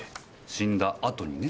死んだあとにね。